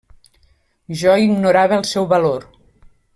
Jo ignorava el seu valor.